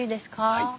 はい。